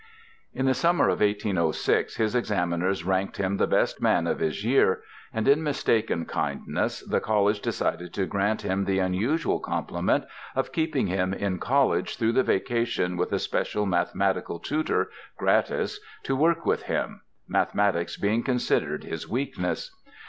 In the summer of 1806 his examiners ranked him the best man of his year, and in mistaken kindness the college decided to grant him the unusual compliment of keeping him in college through the vacation with a special mathematical tutor, gratis, to work with him, mathematics being considered his weakness.